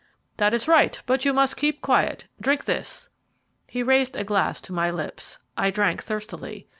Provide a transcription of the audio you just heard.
"That is right, but you must keep quiet. Drink this." He raised a glass to my lips. I drank thirstily.